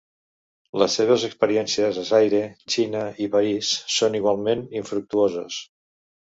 Les seves experiències a Zaire, Xina i París són igualment infructuoses.